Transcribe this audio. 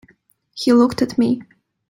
He looked at me.